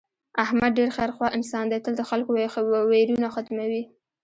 احمد ډېر خیر خوا انسان دی تل د خلکو ویرونه ختموي.